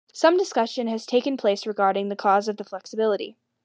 Some discussion has taken place regarding the cause of the flexibility.